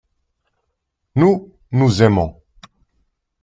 Nous, nous aimons.